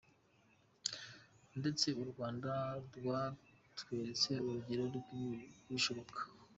ndetse u Rwanda rwatweretse urugero rw’ibishoboka.